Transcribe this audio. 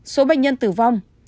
ba số bệnh nhân tử vong